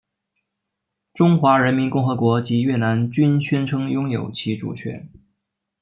中华人民共和国及越南均宣称拥有其主权。